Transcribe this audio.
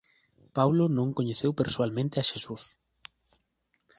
Paulo non coñeceu persoalmente a Xesús.